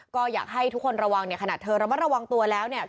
ก็อยากให้ทุกคนระวังเนี่ยขนาดเธอระมัดระวังตัวแล้วเนี่ย